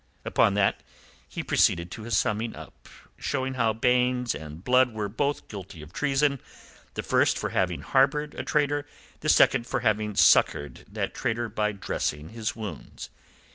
Upon that he proceeded to his summing up, showing how Baynes and Blood were both guilty of treason, the first for having harboured a traitor, the second for having succoured that traitor by dressing his wounds.